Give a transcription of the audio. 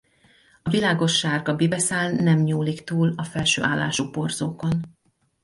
A világossárga bibeszál nem nyúlik túl a felső állású porzókon.